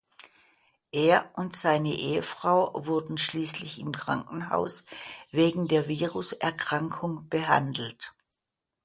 Er und seine Ehefrau wurden schließlich im Krankenhaus wegen der Viruserkrankung behandelt.